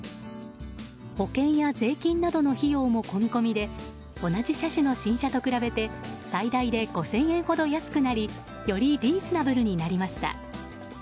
保険や税金などの費用も込みこみで同じ車種の新車と比べて最大で５０００円ほど安くなりよりリーズナブルになりました。